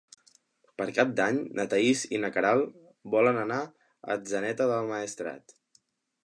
Per Cap d'Any na Thaís i na Queralt volen anar a Atzeneta del Maestrat.